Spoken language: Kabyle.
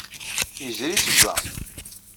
Yezri seg-a.